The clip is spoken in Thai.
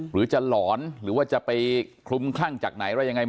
หรือจะหลอนหรือจะไปคลุมครั่งจากไหน